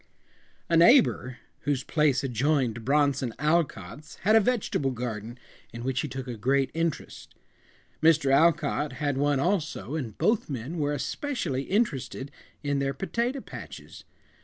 A neighbor whose place adjoined Bronson Alcott's had a vegetable garden in which he took a great interest. Mr. Alcott had one also, and both men were especially interested in their potato patches.